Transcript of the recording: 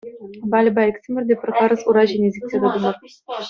Вальӑпа иксӗмӗр те пӗр харӑс ура ҫине сиксе тӑтӑмӑр.